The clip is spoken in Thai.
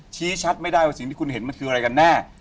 ชี้ชัดไม่ได้ว่าสิ่งที่คุณเห็นมันคืออะไรกันแน่